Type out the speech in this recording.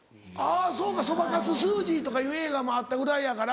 そうかそばかすスージーとかいう映画もあったぐらいやから。